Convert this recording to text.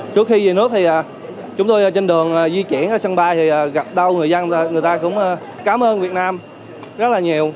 trước khi về nước thì chúng tôi trên đường di chuyển ở sân bay thì gặp đau người dân người ta cũng cảm ơn việt nam rất là nhiều